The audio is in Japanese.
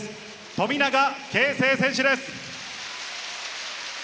富永啓生選手です。